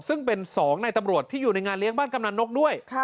ซึ่งเป็น๒ในตำรวจที่อยู่ในงานเลี้ยงบ้านกำนันนกด้วย